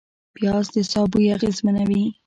پیاز د ساه بوی اغېزمنوي